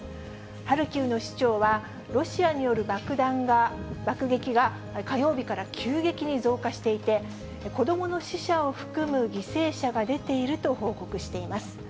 ハルキウの市長は、ロシアによる爆撃が火曜日から急激に増加していて、子どもの死者を含む犠牲者が出ていると報告しています。